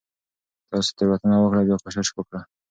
تاسو تيروتنه وکړه . بيا کوشش وکړه